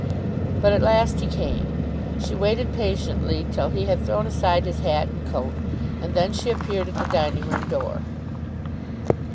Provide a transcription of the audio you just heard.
But at last he came! She waited patiently till he had thrown aside his hat and coat, and then she appeared at the dining room door.